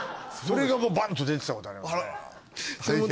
それがもうバンと出てたことあります